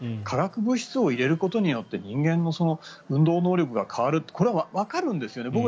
化学物質を入れることによって人間の運動能力が変わるってこれはわかるんですよね。